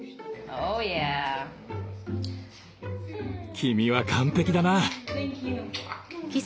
君は完璧だな！